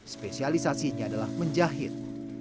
spesialisasinya adalah menjahit